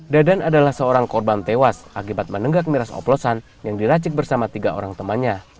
dadan adalah seorang korban tewas akibat menenggak miras oplosan yang diracik bersama tiga orang temannya